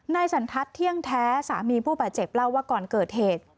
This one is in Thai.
สันทัศน์เที่ยงแท้สามีผู้บาดเจ็บเล่าว่าก่อนเกิดเหตุ